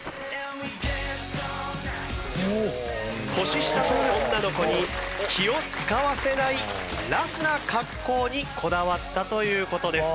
年下の女の子に気を使わせないラフな格好にこだわったという事です。